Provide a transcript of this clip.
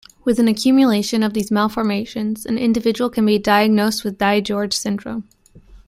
With an accumulation of these malformations, an individual can be diagnosed with DiGeorge syndrome.